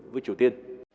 với triều tiên